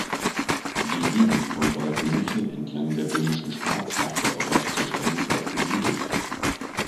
Die Gegend bei Waldmünchen entlang der Böhmischen Schwarzach war bereits zur Steinzeit besiedelt.